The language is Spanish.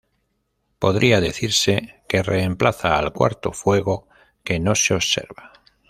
Podría decirse que reemplaza al cuarto fuego que no se observa.